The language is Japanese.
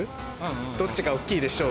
どっちが大きいでしょう？